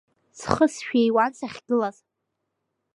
Схы сшәиуан сахьгылаз.